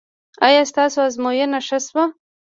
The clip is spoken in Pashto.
ایا ستاسو ازموینه ښه شوه؟